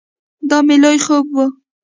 دا مې لوی خوب ؤ